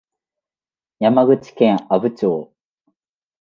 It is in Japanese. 山口県阿武町